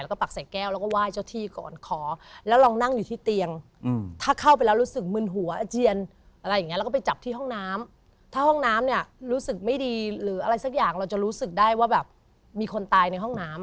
แล้วลองนั่งอยู่ที่เตียงถ้าเข้าไปแล้วรู้สึกมึนหัวอาเจียนอะไรอย่างเงี้ยแล้วก็ไปจับที่ห้องน้ำถ้าห้องน้ำเนี่ยรู้สึกไม่ดีหรืออะไรสักอย่างเราจะรู้สึกได้ว่าแบบมีคนตายในห้องน้ำอ่ะ